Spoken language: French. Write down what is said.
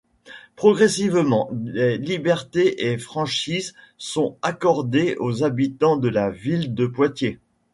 Progressivement, des libertés et franchises sont accordées aux habitants de la ville de Poitiers.